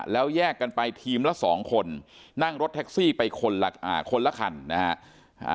แล้วแยกกันไปทีมละ๒คนนั่งรถแท็กซี่ไปคนละคันนะฮะ